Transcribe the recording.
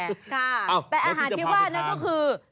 ค่ะแล้วที่จะพาที่ทานแต่อาหารที่วาดนั้นก็คือ